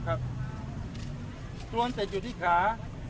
ตัวนั้นเต็มอยู่ที่ขา